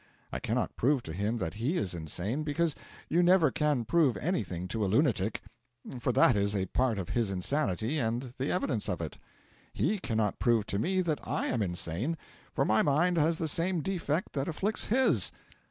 I cannot prove to him that he is insane, because you never can prove anything to a lunatic for that is a part of his insanity and the evidence of it. He cannot prove to me that I am insane, for my mind has the same defect that afflicts his.